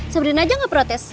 sebenernya gak protes